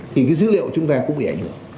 thì cái dữ liệu chúng ta cũng bị ảnh hưởng